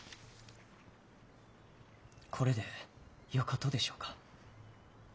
これでよかとでしょうか。